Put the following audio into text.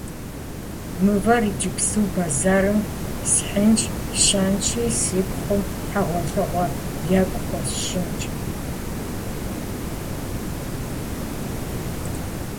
Мывэр иджыпсту бэзэрым схьынщ сщэнщи, си пхъум хьэгъуэлӀыгъуэ екӀу хуэсщӀынщ.